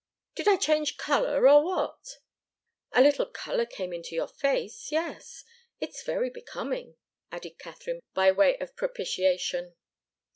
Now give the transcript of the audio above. Did I change colour or what?" "A little colour came into your face yes. It's very becoming," added Katharine, by way of propitiation.